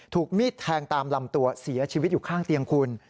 ถูกมีดแทงตามลำตัวเสียชีวิตอยู่ข้างเตียงคุณ